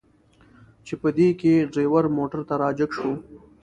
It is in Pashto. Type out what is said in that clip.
چې په دې کې ډریور موټر ته را جګ شو.